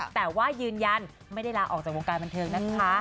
แต่ว่ายืนยันไม่ได้ลาออกจากวงการบันเทิงนะคะ